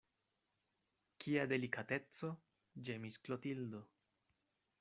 Kia delikateco, ĝemis Klotildo.